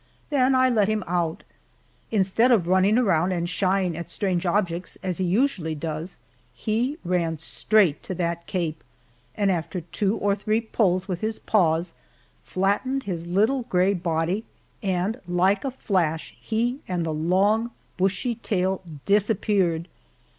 Then I let him out. Instead of running around and shying at strange objects as he usually does, he ran straight to that cape, and after two or three pulls with his paws, flattened his little gray body, and like a flash he and the long bushy tail disappeared!